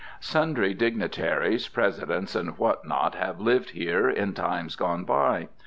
Sundry dignitaries, Presidents and what not, have lived here in times gone by.